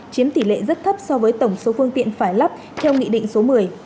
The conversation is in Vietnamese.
chiếm tỷ lệ rất thấp so với tổng số phương tiện phải lắp theo nghị định số một mươi